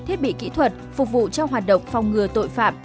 thiết bị kỹ thuật phục vụ cho hoạt động phòng ngừa tội phạm